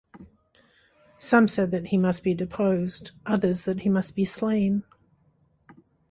Some said that he must be deposed, others that he must be slain.